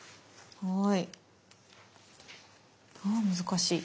はい。